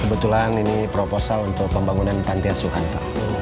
kebetulan ini proposal untuk pembangunan pantai asuhan pak